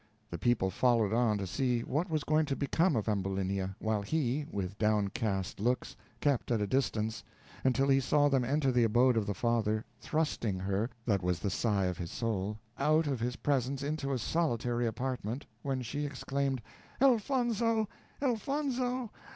The people followed on to see what was going to become of Ambulinia, while he, with downcast looks, kept at a distance, until he saw them enter the abode of the father, thrusting her, that was the sigh of his soul, out of his presence into a solitary apartment, when she exclaimed, "Elfonzo! Elfonzo!